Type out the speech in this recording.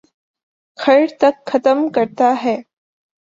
خر تک ختم کرتا ہے